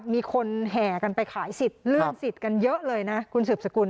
มีคนแห่กันไปขายสิทธิ์เลื่อนสิทธิ์กันเยอะเลยนะคุณสืบสกุล